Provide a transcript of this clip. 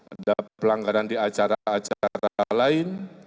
ada pelanggaran di acara acara lain